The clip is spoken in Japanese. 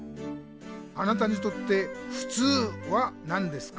あなたにとって「ふつう」は何ですか？